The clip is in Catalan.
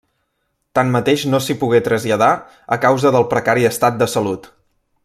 Tanmateix no s'hi pogué traslladar a causa del precari estat de salut.